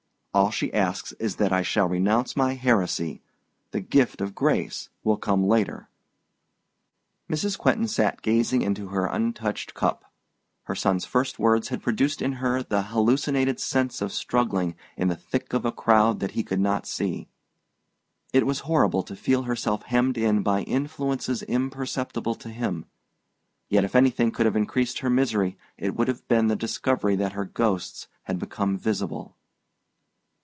All she asks is that I shall renounce my heresy: the gift of grace will come later." Mrs. Quentin sat gazing into her untouched cup. Her son's first words had produced in her the hallucinated sense of struggling in the thick of a crowd that he could not see. It was horrible to feel herself hemmed in by influences imperceptible to him; yet if anything could have increased her misery it would have been the discovery that her ghosts had become visible.